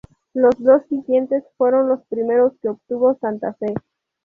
Los dos siguientes fueron los primeros que obtuvo Santa Fe.